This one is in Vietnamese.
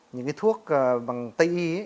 những cái thuốc bằng tây y